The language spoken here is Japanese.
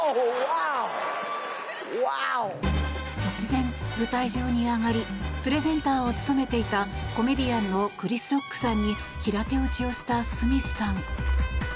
突然、舞台上に上がりプレゼンターを務めていたコメディアンのクリス・ロックさんに平手打ちをした、スミスさん。